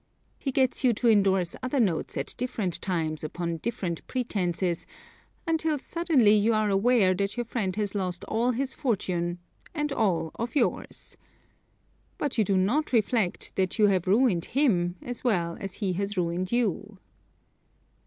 He gets you to endorse other notes at different times upon different pretenses until suddenly you are aware that your friend has lost all his fortune and all of yours. But you do not reflect that you have ruined him as well as he has ruined you.